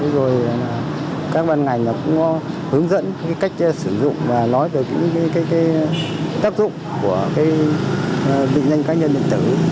rồi các ban ngành cũng hướng dẫn cách sử dụng và nói về các tác dụng của bệnh nhân cá nhân điện tử